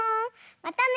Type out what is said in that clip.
またね。